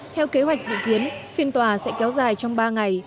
theo kế hoạch dự kiến phiên tòa sẽ kéo dài trong ba ngày